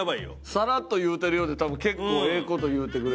サラッと言うてるようで多分結構ええ事言うてくれてた。